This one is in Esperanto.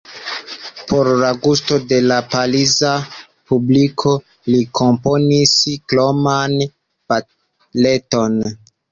Por la gusto de la Pariza publiko li komponis kroman baleton.